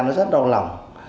nó rất đau lòng